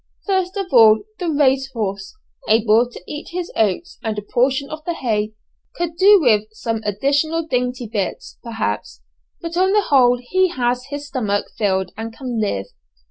First of all the race horse, able to eat his oats and a portion of the hay, could do with some additional dainty bits, perhaps, but on the whole he has his stomach filled and can live.